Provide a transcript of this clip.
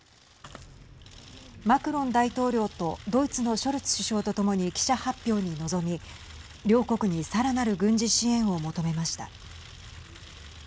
マクロン大統領とドイツのショルツ首相と共に記者発表に臨み両国に、さらなる軍事支援を求めました。